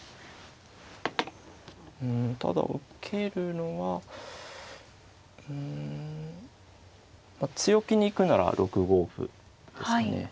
うんただ受けるのはうん強気に行くなら６五歩ですかね。